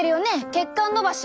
血管のばし。